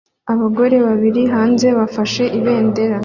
Abagore bari hanze bafashe ibendera